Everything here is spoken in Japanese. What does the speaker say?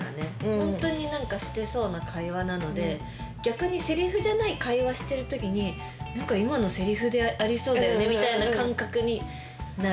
ホントにしてそうな会話なので逆にセリフじゃない会話してる時に何か今のセリフでありそうだよねみたいな感覚になる。